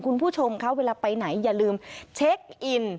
คุณผู้ชมคะเวลาไปไหนอย่าลืมเช็คอิน